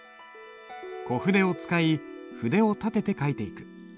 小筆を使い筆を立てて書いていく。